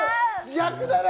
逆だな。